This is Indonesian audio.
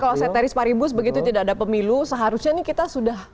jadi kalau seteris paribus begitu tidak ada pemilu seharusnya nih kita sudah naik